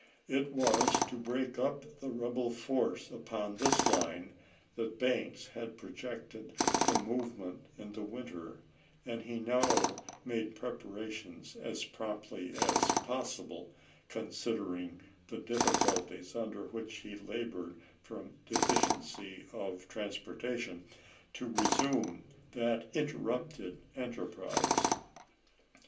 It was to break up the rebel force upon this line that Banks had projected the movement in the winter, and he now made preparations, as promptly as possible, considering the difficulties under which he labored from defi ciency of transportation, to resume that interrupted 1863. enterprise.